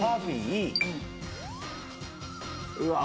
うわ